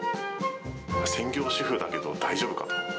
専業主婦だけど大丈夫かと。